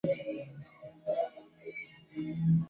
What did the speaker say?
dhidi ya waathirika wa ugonjwa wa ukimwi